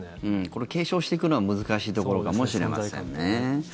これを継承していくのは難しいところかもしれませんね。